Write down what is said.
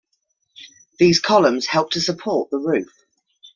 These columns helped to support the roof.